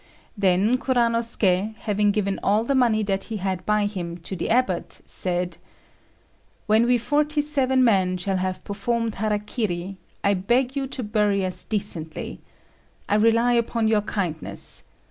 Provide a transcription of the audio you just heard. Then Kuranosuké, having given all the money that he had by him to the abbot, said "When we forty seven men shall have performed hara kiri, I beg you to bury us decently. I rely upon your kindness.